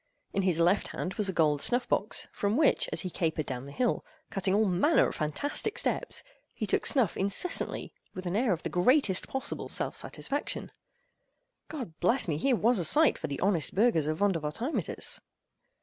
In his left hand was a gold snuff box, from which, as he capered down the hill, cutting all manner of fantastic steps, he took snuff incessantly with an air of the greatest possible self satisfaction. God bless me!—here was a sight for the honest burghers of Vondervotteimittiss!